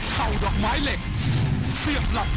พร้อมศีล